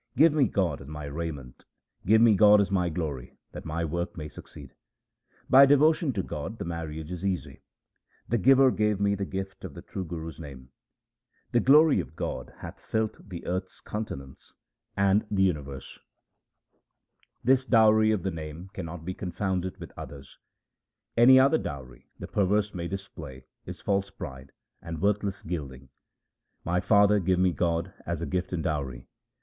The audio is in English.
Give me God as my raiment ; give me God as my glory that my work may succeed. By devotion to God the marriage is easy ; the Giver gave me the gift of the true Guru's name. Thy glory, O God, shall fill the earth's continents and the HYMNS OF GURU RAM DAS 289 universe ; this dowry of the Name cannot be confounded with others. Any other dowry the perverse may display is false pride and worthless gilding. My father, give me God as a gift and dowry.